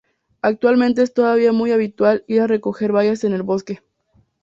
Actualmente es todavía muy habitual ir a recoger bayas en el bosque.